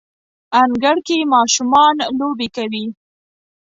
انګړ کې ماشومان لوبې کوي